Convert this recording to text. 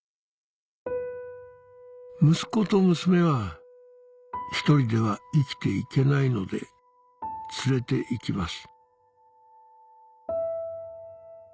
「息子と娘は一人では生きて行けないので連れて行きます」